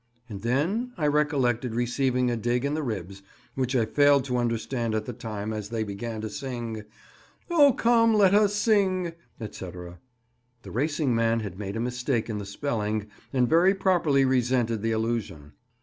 and then I recollected receiving a dig in the ribs, which I failed to understand at the time, as they began to sing, "O Come, let us sing," etc. The racing man had made a mistake in the spelling, and very properly resented the allusion.